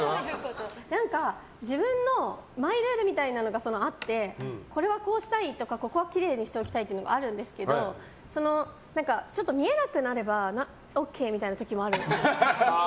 自分のマイルールみたいなのがあってこれはこうしたいとかここはきれいにしておきたいとかあるんですけど、見えなくなればＯＫみたいな時もある。